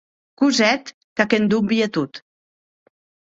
Cosette, qu’ac endonvii tot.